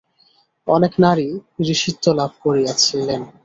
অনেক নারী ঋষিত্ব লাভ করিয়াছিলেন।